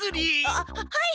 あっはい！